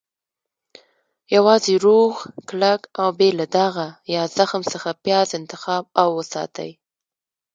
- یوازې روغ، کلک، او بې له داغه یا زخم څخه پیاز انتخاب او وساتئ.